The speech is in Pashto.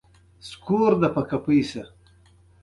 د افغانستان جغرافیه کې نفت ستر اهمیت لري.